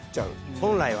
本来はね。